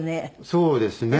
そうですね。